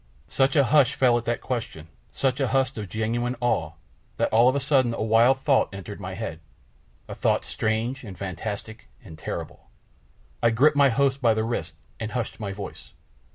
Such a hush fell at that question, such a hush of genuine awe, that all of a sudden a wild thought entered my head, a thought strange and fantastic and terrible. I gripped my host by the wrist and hushed my voice.